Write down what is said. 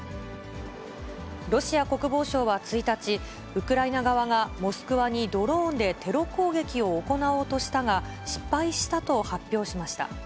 ロシア国防省は１日、ウクライナ側がモスクワにドローンでテロ攻撃を行おうとしたが、失敗したと発表しました。